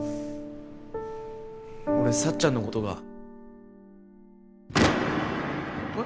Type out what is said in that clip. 俺さっちゃんのことが。え？